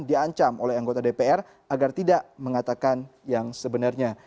diancam oleh anggota dpr agar tidak mengatakan yang sebenarnya